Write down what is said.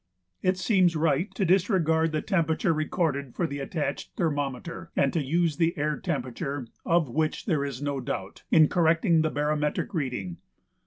It seems right to disregard the temperature recorded for the attached thermometer, and to use the air temperature, of which there is no doubt, in correcting the barometric reading.